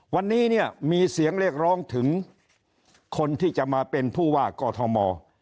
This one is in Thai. วันนี้เนี่ยมีเสียงเรียกร้องถึงคนที่จะมาเป็นผู้ว่ากอทม